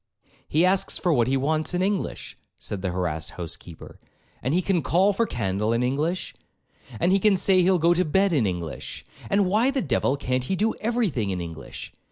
'He asks for what he wants in English,' said the harassed housekeeper, 'and he can call for candle in English, and he can say he'll go to bed in English; and why the devil can't he do every thing in English?